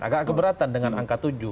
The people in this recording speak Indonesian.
agak keberatan dengan angka tujuh